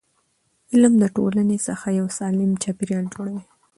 علم د ټولنې څخه یو سالم چاپېریال جوړوي.